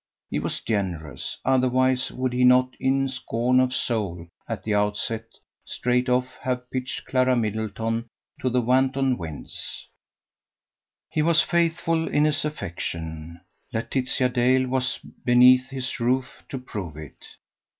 He was generous: otherwise would he not in scorn of soul, at the outset, straight off have pitched Clara Middleton to the wanton winds? He was faithful in his affection: Laetitia Dale was beneath his roof to prove it.